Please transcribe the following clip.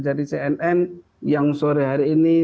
dari cnn yang sore hari ini